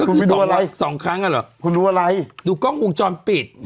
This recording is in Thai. คุณไปโดนอะไรอีกสองครั้งอ่ะเหรอคุณดูอะไรดูกล้องวงจรปิด